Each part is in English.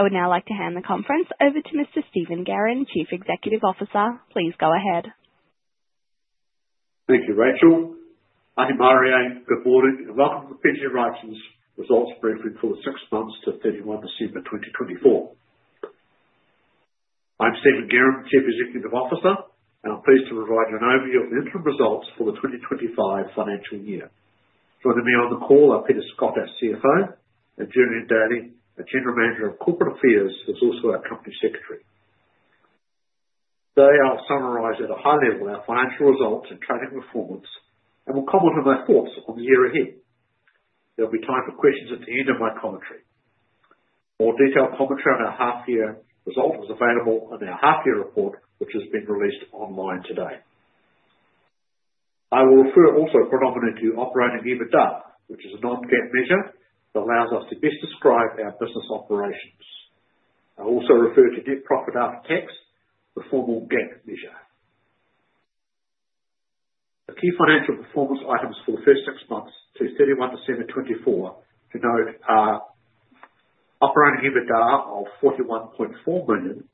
I would now like to hand the conference over to Mr. Stephen Guerin, Chief Executive Officer. Please go ahead. Thank you, Rachel. Hi, Maria. Good morning, and welcome to the PGG Wrightson results briefing for the six months to 31 December 2024. I'm Stephen Guerin, Chief Executive Officer, and I'm pleased to provide you an overview of the interim results for the 2025 financial year. Joining me on the call are Peter Scott, our CFO, and Julian Daly, General Manager of Corporate Affairs, who's also our Company Secretary. Today, I'll summarise at a high level our financial results and tracking performance, and will comment on my thoughts on the year ahead. There'll be time for questions at the end of my commentary. More detailed commentary on our half-year result is available in our half-year report, which has been released online today. I will refer also predominantly to operating EBITDA, which is a non-GAAP measure that allows us to best describe our business operations. I'll also refer to net profit after tax, the formal GAAP measure. The key financial performance items for the first six months to 31 December 2024, to note, are operating EBITDA of 41.4 million,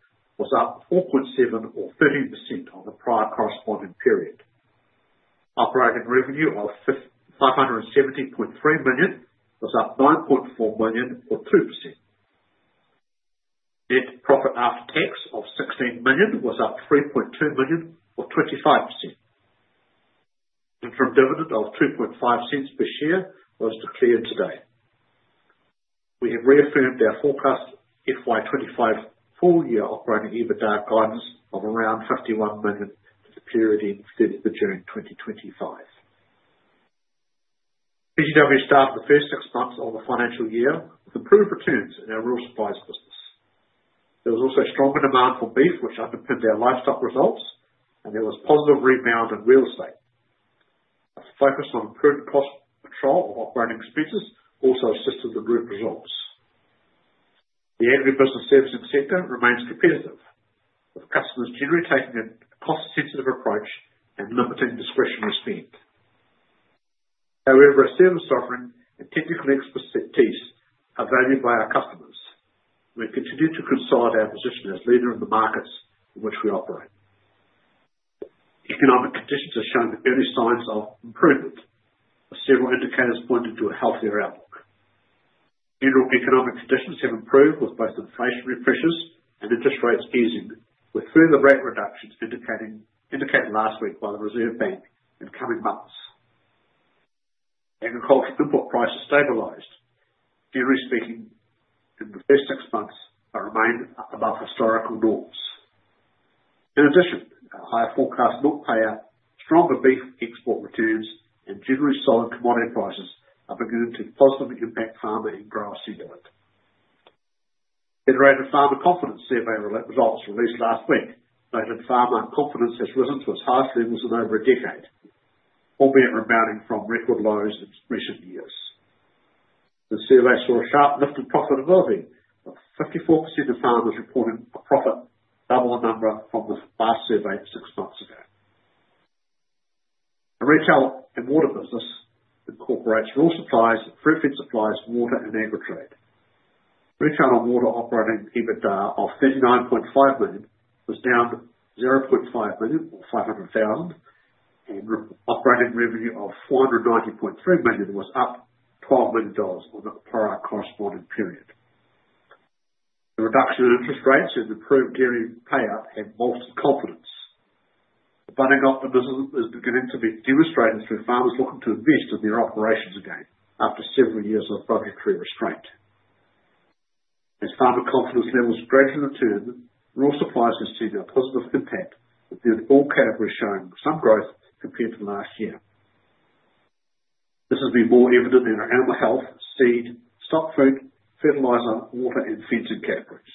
which is up 4.7 million or 13% on the prior corresponding period. Operating revenue of 570.3 million was up 9.4 million or 2%. Net profit after tax of 16 million was up 3.2 million or 25%. Interim dividend of 0.025 per share was declared today. We have reaffirmed our forecast FY2025 full-year operating EBITDA guidance of around 51 million to the period ending 30th of June 2025. PGG Wrightson started the first six months of the financial year with improved returns in our Rural Supplies business. There was also stronger demand for beef, which underpinned our livestock results, and there was positive rebound in real estate. A focus on improved cost control of operating expenses also assisted the group results. The agri-business servicing sector remains competitive, with customers generally taking a cost-sensitive approach and limiting discretionary spend. However, service offering and technical expertise are valued by our customers. We continue to consolidate our position as leader in the markets in which we operate. Economic conditions have shown the early signs of improvement, with several indicators pointing to a healthier outlook. General economic conditions have improved with both inflationary pressures and interest rates easing, with further rate reductions indicated last week by the Reserve Bank in coming months. Agricultural import prices stabilized, generally speaking, in the first six months have remained above historical norms. In addition, our higher forecast milk payout, stronger beef export returns, and generally solid commodity prices are beginning to positively impact farmer and grass input. Federated Farmers Confidence Survey results released last week noted farmer confidence has risen to its highest levels in over a decade, albeit rebounding from record lows in recent years. The survey saw a sharp lift in profitability, with 54% of farmers reporting a profit, double the number from the last survey six months ago. The Retail and Water business incorporates Rural Supplies and Fruitfed Supplies, Water and Agritrade. Retail and Water operating EBITDA of 39.5 million was down 0.5 million, or 500,000, and operating revenue of 490.3 million was up 12 million dollars on the prior corresponding period. The reduction in interest rates and improved dairy payout have bolstered confidence. The budding optimism is beginning to be demonstrated through farmers looking to invest in their operations again after several years of budgetary restraint. As farmer confidence levels gradually return, Rural Supplies have seen a positive impact, with all categories showing some growth compared to last year. This has been more evident in our animal health, seed, stock food, fertiliser, water, and fencing categories.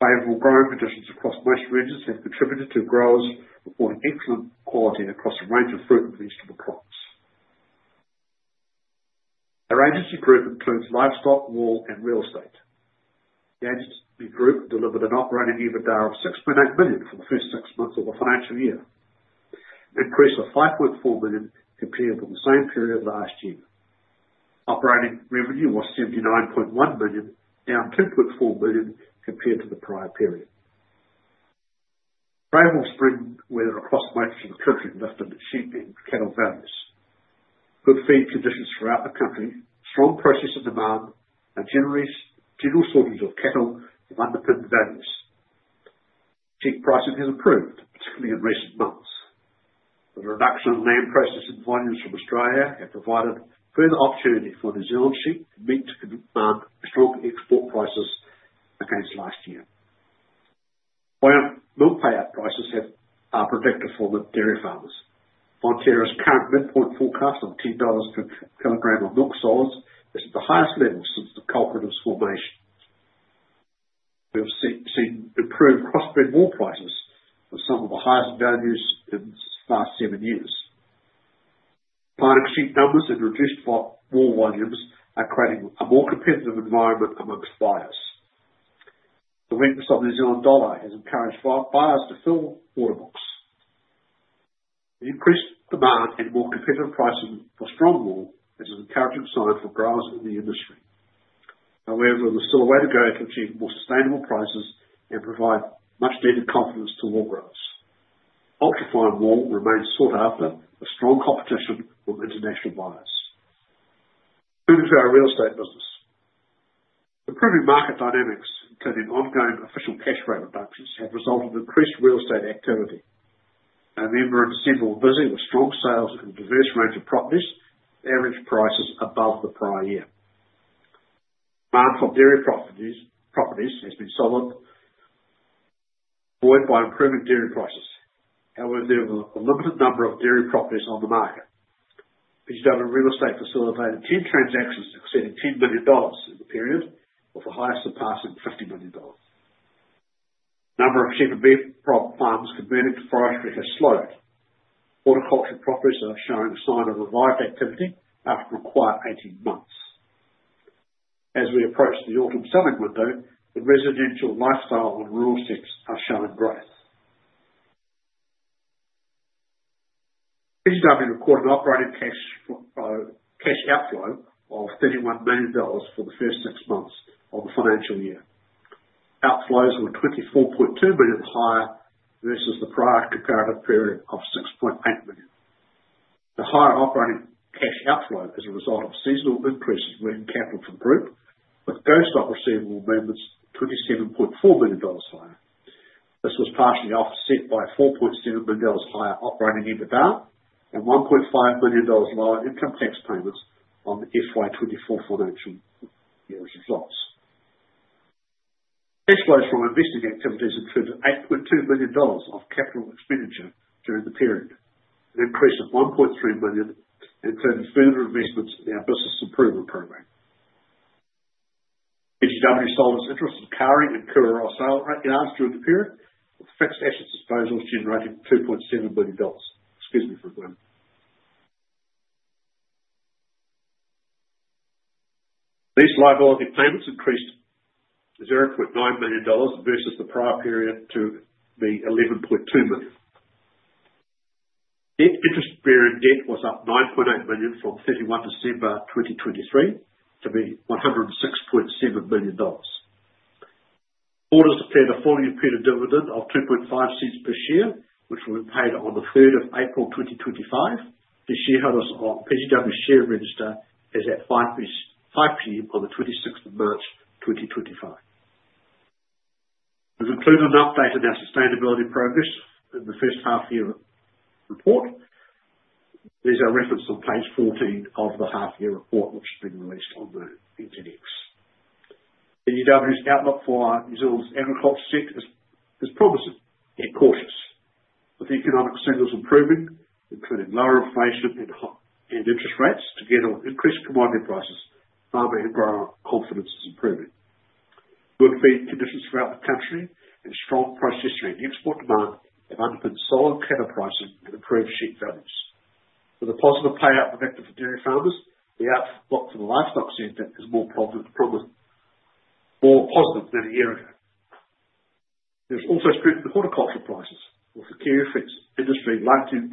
Favorable growing conditions across most regions have contributed to growers reporting excellent quality across a range of fruit and vegetable crops. Our Agency Group includes livestock, wool, and real estate. The Agency Group delivered an operating EBITDA of 6.8 million for the first six months of the financial year, an increase of 5.4 million compared with the same period last year. Operating revenue was 79.1 million, down 2.4 million compared to the prior period. Favorable spring weather across most of the country lifted sheep and cattle values. Good feed conditions throughout the country, strong processing demand, and general shortage of cattle have underpinned values. Sheep pricing has improved, particularly in recent months. The reduction in lamb processing volumes from Australia has provided further opportunity for New Zealand sheep and meat to command strong export prices against last year. Milk payout prices are predictive for dairy farmers. Fonterra's current midpoint forecast of 10 dollars per kilogram of milk solids is at the highest level since the cooperative's formation. We have seen improved crossbred wool prices with some of the highest values in the last seven years. Farming sheep numbers and reduced wool volumes are creating a more competitive environment amongst buyers. The weakness of the New Zealand dollar has encouraged buyers to fill order books. The increased demand and more competitive pricing for strong wool is an encouraging sign for growers in the industry. However, there is still a way agreement achieved more sustainable prices and provides much-needed confidence to wool growers. Ultra-fine wool remains sought after with strong competition from international buyers. Moving to our real estate business. Improving market dynamics, including ongoing official cash rate reductions, have resulted in increased real estate activity. Our real estate team was busy with strong sales and a diverse range of properties, averaging prices above the prior year. Demand for dairy properties has been solid, buoyed by improving dairy prices. However, there were a limited number of dairy properties on the market. PGG Wrightson real estate facilitated 10 transactions exceeding 10 million dollars in the period, with the highest surpassing 50 million dollars. The number of sheep and beef farms converting to forestry has slowed. Horticulture properties are showing a sign of revived activity after a quiet 18 months. As we approach the autumn selling window, the residential lifestyle and rural sectors are showing growth. PGW recorded operating cash outflow of 31 million dollars for the first six months of the financial year. Outflows were 24.2 million higher versus the prior comparative period of 6.8 million. The higher operating cash outflow is a result of seasonal increases in capital from group, with Go-Stock receivable movements 27.4 million dollars higher. This was partially offset by 4.7 million dollars higher operating EBITDA and 1.5 million dollars lower income tax payments on the FY24 financial year's results. Cash flows from investing activities included NZD 8.2 million of capital expenditure during the period, an increase of NZD 1.3 million in terms of further investments in our business improvement program. PGW sold its interest in Kaikoura Saleyards during the period, with fixed asset disposals generating 2.7 million dollars. Excuse me for a moment. Lease liability payments increased 0.9 million dollars versus the prior period to be 11.2 million. Interest bearing debt was up 9.8 million from 31 December 2023 to be 106.7 million dollars. Orders declared a full period dividend of $0.025 per share, which will be paid on the 3rd of April 2025. This year held us on PGW's share register as at 5:00 P.M. on the 26th of March 2025. We've included an update in our sustainability progress in the first half-year report. These are referenced on page 14 of the half-year report, which has been released on the internet. PGW's outlook for New Zealand's agriculture sector is promising and cautious. With the economic signals improving, including lower inflation and interest rates together with increased commodity prices, farming and grower confidence is improving. Good feed conditions throughout the country and strong processing and export demand have underpinned solid cattle pricing and improved sheep values. With a positive payout effective for dairy farmers, the outlook for the livestock sector is more positive than a year ago. There's also strength in horticulture prices, with the kiwifruit industry likely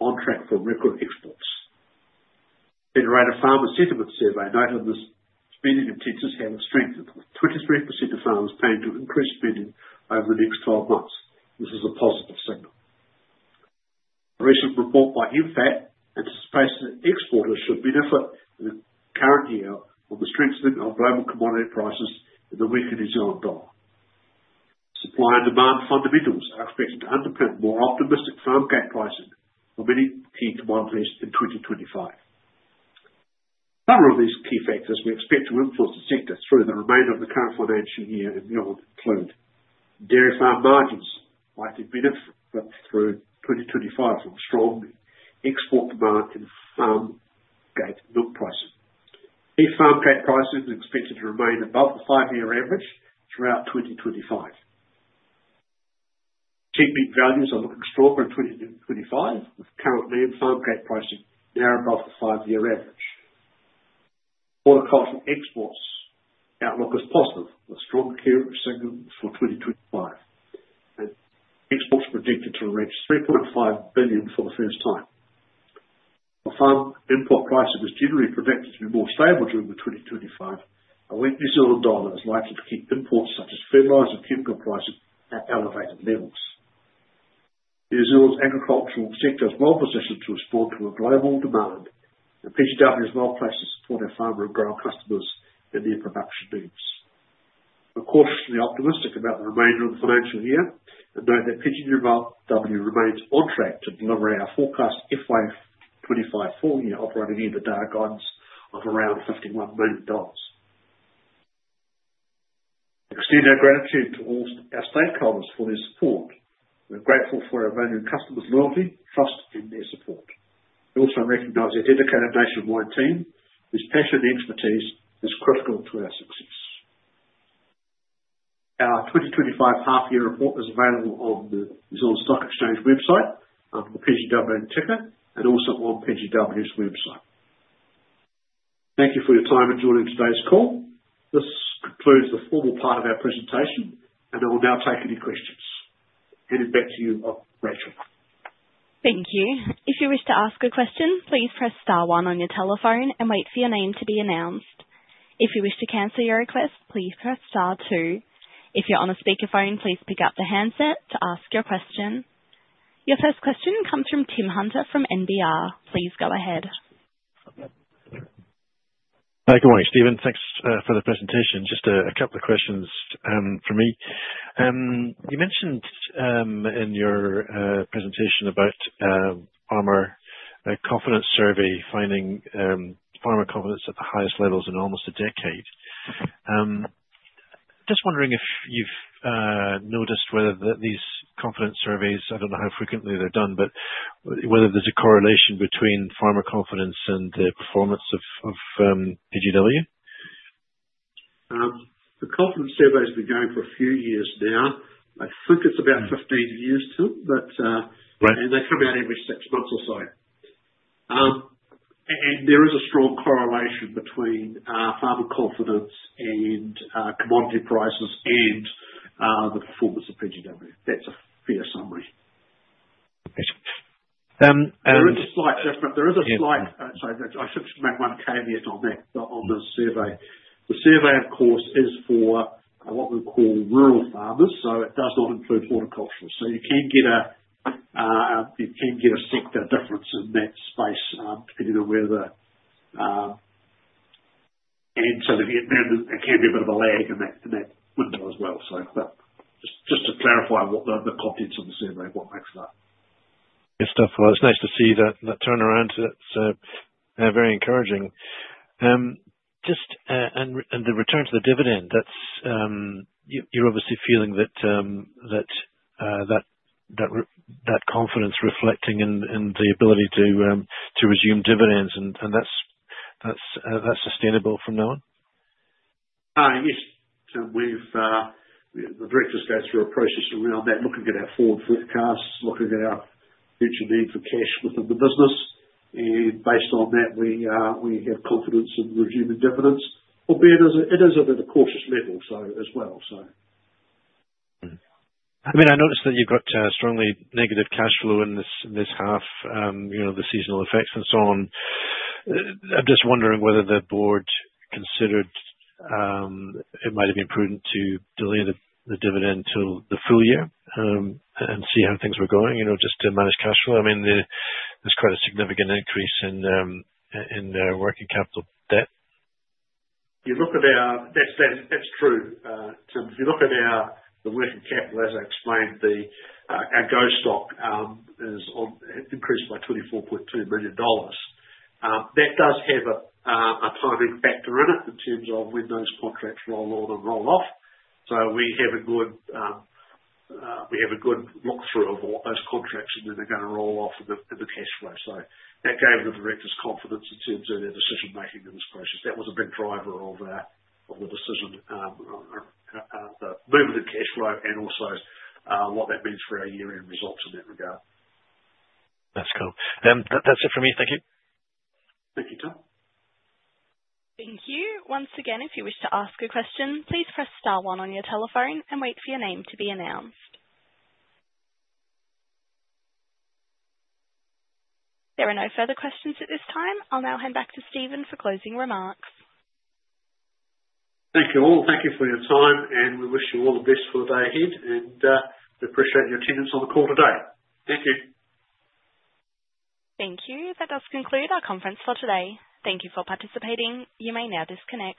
on track for record exports. Federated Farmers Sentiment Survey noted this spending intensity having strengthened, with 23% of farmers paying to increase spending over the next 12 months. This is a positive signal. A recent report by MFAT and expects exporters should benefit in the current year from the strengthening of global commodity prices and the weakened New Zealand dollar. Supply and demand fundamentals are expected to underpin more optimistic farm gate pricing for many key commodities in 2025. Several of these key factors we expect to influence the sector through the remainder of the current financial year and beyond include dairy farm margins likely benefit through 2025 from strong export demand and farm gate milk pricing. Beef farm gate pricing is expected to remain above the five-year average throughout 2025. Sheep meat values are looking stronger in 2025, with current lamb farm gate pricing now above the five-year average. Horticultural exports outlook as positive, with strong key signals for 2025. Exports predicted to reach 3.5 billion for the first time. The farm import pricing is generally predicted to be more stable during 2025, and weak New Zealand dollar is likely to keep imports such as fertiliser and chemical prices at elevated levels. New Zealand's agricultural sector is well positioned to respond to a global demand, and PGG Wrightson is well placed to support our farmer and grower customers and their production needs. We're cautiously optimistic about the remainder of the financial year and know that PGG Wrightson remains on track to deliver our forecast FY25 full-year operating EBITDA guidance of around NZD 51 million. We extend our gratitude to all our stakeholders for their support. We're grateful for our valued customers' loyalty, trust, and their support. We also recognise our dedicated nationwide team, whose passion and expertise is critical to our success. Our 2025 half-year report is available on the New Zealand Stock Exchange website under the PGW ticker and also on PGW's website. Thank you for your time and joining today's call. This concludes the formal part of our presentation, and I will now take any questions. hand it back to you, Rachel. Thank you. If you wish to ask a question, please press star one on your telephone and wait for your name to be announced. If you wish to cancel your request, please press star two. If you're on a speakerphone, please pick up the handset to ask your question. Your first question comes from Tim Hunter from NBR. Please go ahead. Hi, good morning, Stephen. Thanks for the presentation. Just a couple of questions from me. You mentioned in your presentation about farmer confidence survey finding farmer confidence at the highest levels in almost a decade. Just wondering if you've noticed whether these confidence surveys, I don't know how frequently they're done, but whether there's a correlation between farmer confidence and the performance of PGW. The confidence survey has been going for a few years now. I think it's about 15 years too, but they come out every six months or so. There is a strong correlation between farmer confidence and commodity prices and the performance of PGW. That's a fair summary. There is a slight difference. There is a slight, sorry, I should make one caveat on that, on the survey. The survey, of course, is for what we call rural farmers, so it does not include horticultural. You can get a sector difference in that space depending on where the, and so there can be a bit of a lag in that window as well. Just to clarify what the contents of the survey and what makes that. Stephen, It is nice to see that turnaround. It is very encouraging. Just on the return to the dividend, you are obviously feeling that confidence reflecting in the ability to resume dividends, and that is sustainable from now on? Yes. The directors go through a process around that, looking at our forward forecasts, looking at our future need for cash within the business. Based on that, we have confidence in resuming dividends, albeit it is at a bit of a cautious level as well. I mean, I noticed that you have got strongly negative cash flow in this half, the seasonal effects and so on. I'm just wondering whether the board considered it might have been prudent to delay the dividend till the full year and see how things were going just to manage cash flow. I mean, there's quite a significant increase in working capital debt. You look at our, that's true. If you look at the working capital, as I explained, our GO-STOCK has increased by 24.2 million dollars. That does have a timing factor in it in terms of when those contracts roll on and roll off. We have a good look through of all those contracts, and then they're going to roll off in the cash flow. That gave the directors confidence in terms of their decision-making in this process. That was a big driver of the decision, the movement of cash flow, and also what that means for our year-end results in that regard. That's cool. That's it for me. Thank you. Thank you, Tim. Thank you. Once again, if you wish to ask a question, please press star one on your telephone and wait for your name to be announced. There are no further questions at this time. I'll now hand back to Stephen for closing remarks. Thank you all. Thank you for your time, and we wish you all the best for the day ahead. We appreciate your attendance on the call today. Thank you. Thank you. That does conclude our conference for today. Thank you for participating. You may now disconnect.